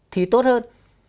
thì tốt hơn